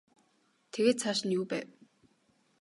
Тэгээд цааш нь юу байв?